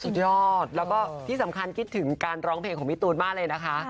สุดยอดแล้วก็ที่สำคัญคิดถึงการร้องเพลงของพี่ตูนมากเลยนะคะ